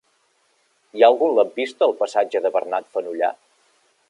Hi ha algun lampista al passatge de Bernat Fenollar?